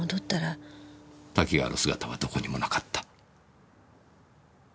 多岐川の姿はどこにもなかった。